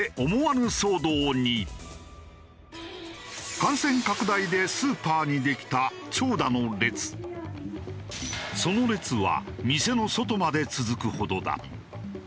感染拡大でスーパーにできたその列は店の外まで続くほどだ。